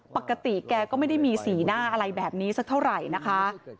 ปกติแกก็ไม่ได้มีสีหน้าอะไรแบบนี้สักเท่าไหร่นะคะ